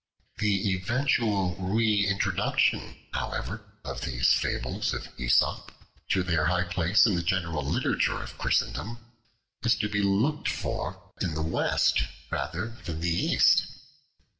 The eventual re introduction, however, of these Fables of Aesop to their high place in the general literature of Christendom, is to be looked for in the West rather than in the East.